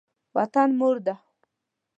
وطن مور ده.